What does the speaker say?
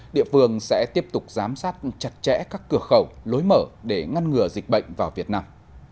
địa phương sẽ tiếp tục giám sát chặt chẽ các cửa khẩu lối mở để ngăn ngừa dịch bệnh vào việt nam